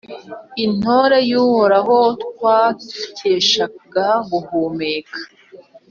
Intore y’Uhoraho twakeshaga guhumeka,